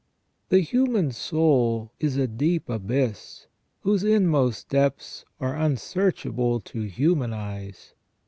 The human soul is a deep abyss, whose inmost depths are un searchable to human eyes.